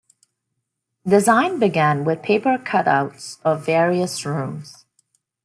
Design began with paper cut outs of various rooms.